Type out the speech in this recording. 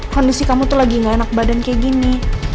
kondisi kamu tuh lagi gak enak badan kayak gini